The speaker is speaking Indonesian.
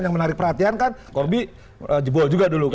yang korbi aja jebol